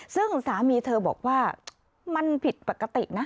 ซึ่งสามีเธอบอกว่ามันผิดปกตินะ